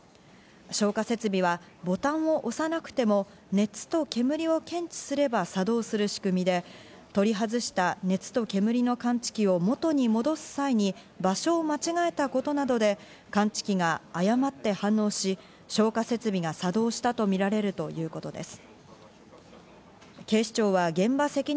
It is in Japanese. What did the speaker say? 消火設備はボタンを押さなくても、熱と煙を検知すれば作動する仕組みで、取り外した熱と煙の感知器を元に戻す際に場所を間違えたことなどで感知器が誤って反応し、消火設備が作動したとみられるということです。